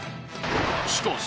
しかし。